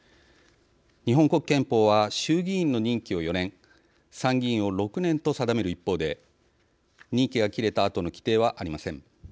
日本国憲法は衆議院の任期を４年参議院を６年と定める一方で任期が切れたあとの規定はありません。